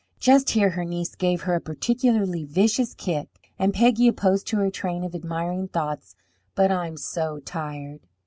Just here her niece gave her a particularly vicious kick, and Peggy opposed to her train of admiring thoughts, "But I'm so tired."